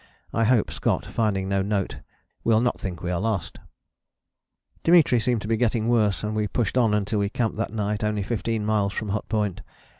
I hope Scott, finding no note, will not think we are lost." Dimitri seemed to be getting worse, and we pushed on until we camped that night only fifteen miles from Hut Point.